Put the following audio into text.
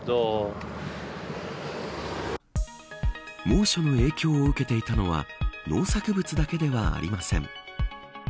猛暑の影響を受けていたのは農作物だけではありません。